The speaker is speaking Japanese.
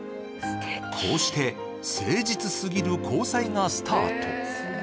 こうして、誠実すぎる交際がスタート。